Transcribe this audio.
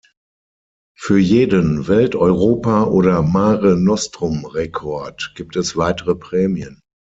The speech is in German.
Für jeden Welt-, Europa-, oder Mare-Nostrum-Rekord gibt es weitere Prämien.